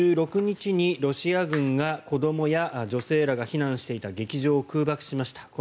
１６日にロシア軍が子どもや女性らが避難していた劇場を空爆しました。